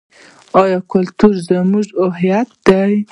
آیا کلتور زموږ هویت دی؟